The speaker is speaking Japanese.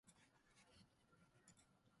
新宿で寝る人